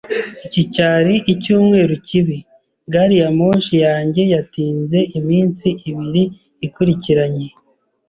Iki cyari icyumweru kibi. Gari ya moshi yanjye yatinze iminsi ibiri ikurikiranye.